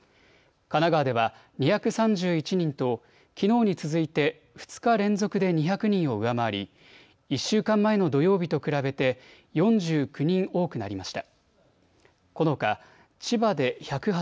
神奈川県では２３１人ときのうに続いて２日連続で２００人を上回り１週間前の土曜日と比べて４９人多くなりました。